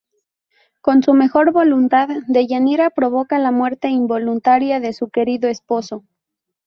Con su mejor voluntad, Deyanira provoca la muerte involuntaria de su querido esposo.